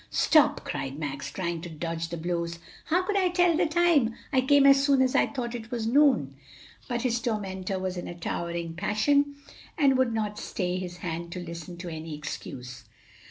"Stop!" cried Max, trying to dodge the blows. "How could I tell the time? I came as soon as I thought it was noon." But his tormentor was in a towering passion and would not stay his hand to listen to any excuse.